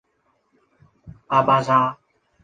阿巴扎。